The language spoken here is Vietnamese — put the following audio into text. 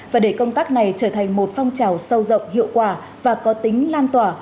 và để công tác này trở thành một phong trào sâu rộng hiệu quả và có tính lan tỏa